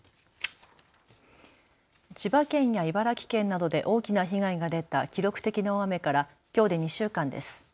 千葉県や茨城県などで大きな被害が出た記録的な大雨からきょうで２週間です。